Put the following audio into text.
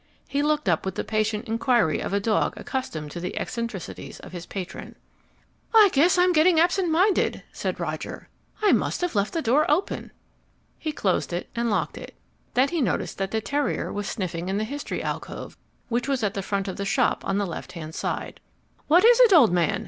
He looked up with the patient inquiry of a dog accustomed to the eccentricities of his patron. "I guess I'm getting absent minded," said Roger. "I must have left the door open." He closed and locked it. Then he noticed that the terrier was sniffing in the History alcove, which was at the front of the shop on the left hand side. "What is it, old man?"